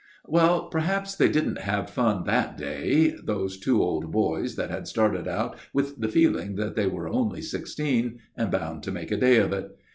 Well, perhaps they didn't have fun that day, these two old boys that had started out with the feeling that they were "only sixteen," and bound to make "a day of it!"